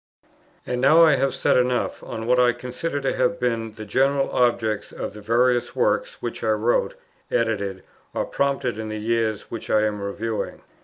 And now I have said enough on what I consider to have been the general objects of the various works, which I wrote, edited, or prompted in the years which I am reviewing.